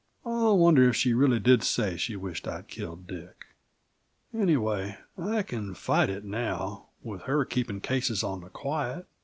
I wonder if she did really say she wished I'd killed Dick? "Anyway, I can fight it now, with her keeping cases on the quiet.